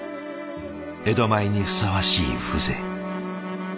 江戸前にふさわしい風情。